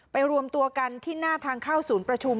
รวมตัวกันที่หน้าทางเข้าศูนย์ประชุม